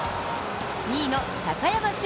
２位の高山峻